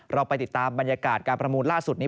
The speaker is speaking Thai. เราไปติดตามบรรยากาศการประมูลล่าสุดนี้